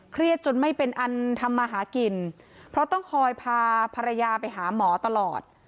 จนไม่เป็นอันทำมาหากินเพราะต้องคอยพาภรรยาไปหาหมอตลอด